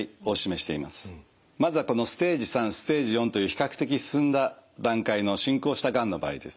まずはこのステージ３ステージ４という比較的進んだ段階の進行したがんの場合です。